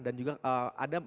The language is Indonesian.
dan juga ada